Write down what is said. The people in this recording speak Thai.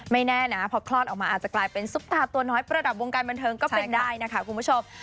แน่นะพอคลอดออกมาอาจจะกลายเป็นซุปตาตัวน้อยประดับวงการบันเทิงก็เป็นได้นะคะคุณผู้ชม